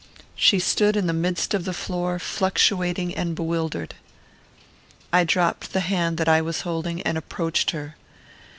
She stood in the midst of the floor, fluctuating and bewildered. I dropped the hand that I was holding, and approached her.